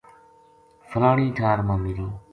فلانی ٹھار ما میری